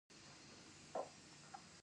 علم د اخلاقي روزنې اساس دی.